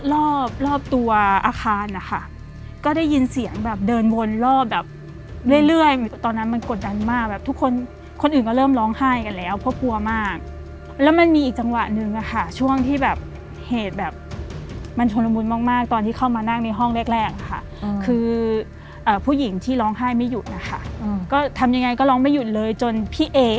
รอบรอบตัวอาคารนะคะก็ได้ยินเสียงแบบเดินวนรอบแบบเรื่อยตอนนั้นมันกดดันมากแบบทุกคนคนอื่นก็เริ่มร้องไห้กันแล้วเพราะกลัวมากแล้วมันมีอีกจังหวะหนึ่งอะค่ะช่วงที่แบบเหตุแบบมันชนละมุนมากตอนที่เข้ามานั่งในห้องแรกแรกค่ะคือผู้หญิงที่ร้องไห้ไม่หยุดนะคะก็ทำยังไงก็ร้องไม่หยุดเลยจนพี่เอ